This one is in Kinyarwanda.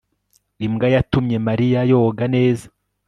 imbwa yatumye mariya yoga. neza